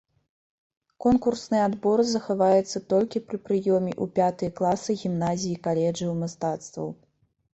Конкурсны адбор захаваецца толькі пры прыёме ў пятыя класы гімназій-каледжаў мастацтваў.